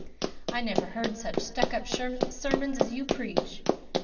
I never heard such stuck up sermons as you preach.